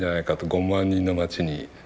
５万人の街に。